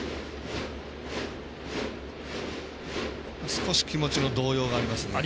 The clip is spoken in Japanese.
少し気持ちの動揺がありますね。